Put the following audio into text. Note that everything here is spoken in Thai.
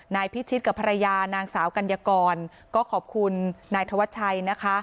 นายพิชิตกับภรรยานางสาวกัญญากรก็ขอบคุณนายธวัชชัยนะคะ